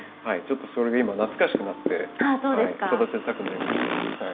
ちょっとそれが今懐かしくなって育てたくなりました。